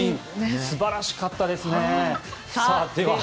素晴らしかったですね。